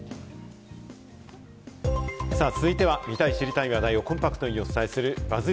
続いては、見たい知りたい話題をコンパクトにお伝えするＢＵＺＺ